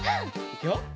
いくよ！